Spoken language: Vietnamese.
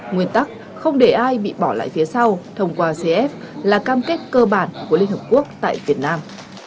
nguyên tắc không để ai bị bỏ lại phía sau thông qua cf là cam kết cơ bản của liên hợp quốc tại việt nam